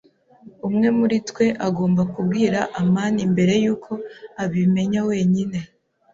Umwe muri twe agomba kubwira amani mbere yuko abimenya wenyine.